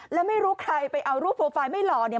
แล้วไม่รู้ใครไปเอารูปโปรไฟล์ไม่หล่อเนี่ย